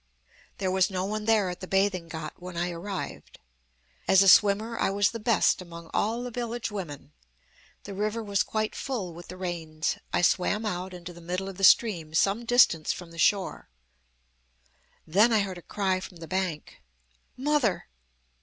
"There was no one there at the bathing ghat when I arrived. As a swimmer, I was the best among all the village women. The river was quite full with the rains. I swam out into the middle of the stream some distance from the shore. "Then I heard a cry from the bank, 'Mother!'